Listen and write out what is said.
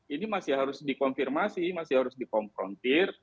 ini masih harus dikonfirmasi masih harus dikonfrontir